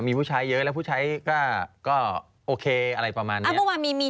มีผู้ใช้เยอะผู้ใช้ก็โอเคอะไรประมาณนี้